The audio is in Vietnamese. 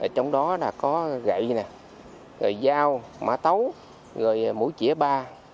trong đó có gậy dao mã tấu mũi chĩa ba